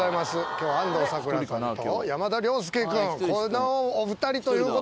今日は安藤サクラさんと山田涼介君このお２人ということで。